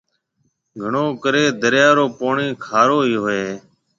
گھڻو ڪريَ دريا رو پوڻِي کارو ئِي هوئي هيَ۔